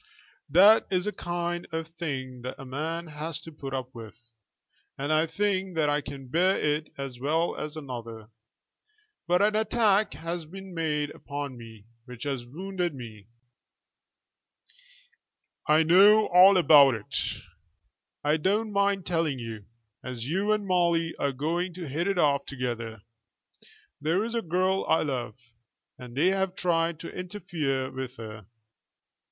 That is a kind of thing that a man has to put up with, and I think that I can bear it as well as another. But an attack has been made upon me which has wounded me." "I know all about it." "I don't mind telling you, as you and Molly are going to hit it off together. There is a girl I love, and they have tried to interfere with her."